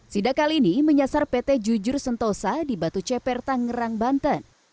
sida kali ini menyasar pt jujur sentosa di batu cepertang ngerang banten